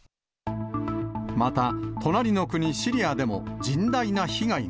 また、隣の国、シリアでも甚大な被害が。